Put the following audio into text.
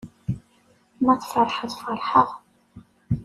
Ma tfeṛḥeḍ feṛḥeƔ.